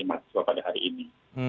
mas mufty pada hari ini